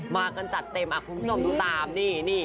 มากันจัดเต็มคุณผู้ชมดูตามนี่